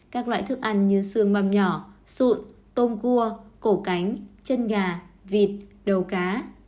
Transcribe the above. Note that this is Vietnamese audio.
các loại thức ăn như xương măm nhỏ sụn tôm cua cổ cánh chân gà vịt đầu cá